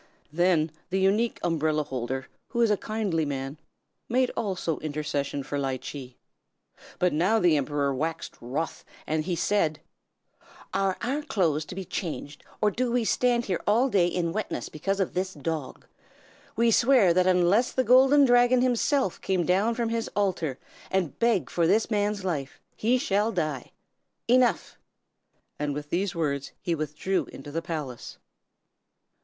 "Then the Unique Umbrella Holder, who is a kindly man, made also intercession for Ly Chee. But now the Emperor waxed wroth, and he said: "'Are our clothes to be changed, or do we stand here all day in wetness because of this dog? We swear that unless the Golden Dragon himself come down from his altar and beg for this man's life, he shall die! Enough!' And with these words he withdrew into the palace.